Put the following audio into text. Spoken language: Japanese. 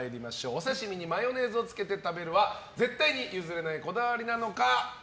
お刺し身にマヨネーズをつけて食べるは絶対に譲れないこだわりなのか亞